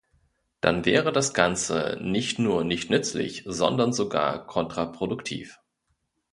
Dann wäre das Ganze nicht nur nicht nützlich, sondern sogar kontraproduktiv.